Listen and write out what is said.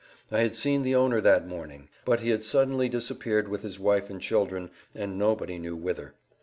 I had seen the owner that morning; but he had suddenly disappeared with his wife and children, and nobody knew whither.